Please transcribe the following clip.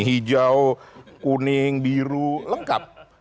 hijau kuning biru lengkap